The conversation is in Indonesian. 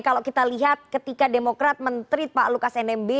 kalau kita lihat ketika demokrat menteri pak lukas nmb